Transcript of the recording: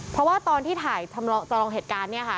เพราะว่าตอนที่ถ่ายทำจำลองเหตุการณ์เนี่ยค่ะ